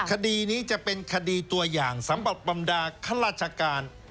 คดีนี้จะเป็นคดีตัวอย่างสำหรับบรรดาข้าราชการ